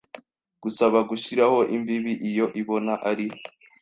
gusaba gushyiraho imbibi iyo ibona ari